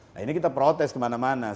nah ini kita protes kemana mana